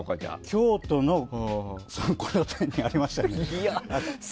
京都の古書店にありましたね。